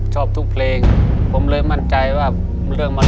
ชอบทุกเพลงผมเลยมั่นใจว่า